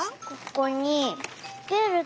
ここに。